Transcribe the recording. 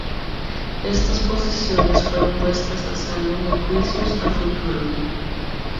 Estas posesiones fueron puestas a salvo de juicios a futuro.